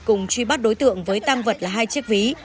cùng truy bắt đối tượng với tam vật là hai chiếc ví